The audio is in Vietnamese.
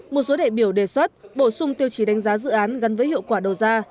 một số đại biểu đề xuất bổ sung tiêu chí đánh giá dự án gắn với hiệu quả đầu ra